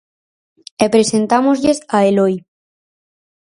E presentámoslles a Eloi.